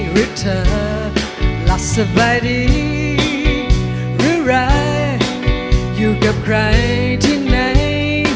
รักสบายดีหรือไรอยู่กับใครที่ไหน